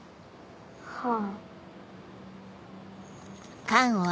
はあ。